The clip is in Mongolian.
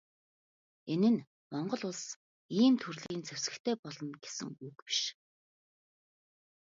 Энэ нь Монгол Улс ийм төрлийн зэвсэгтэй болно гэсэн үг биш.